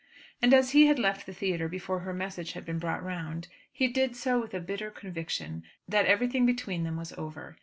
And as he had left the theatre before her message had been brought round, he did so with a bitter conviction that everything between them was over.